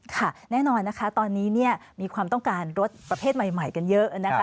แน่นอนนะคะตอนนี้เนี่ยมีความต้องการรถประเภทใหม่กันเยอะนะคะ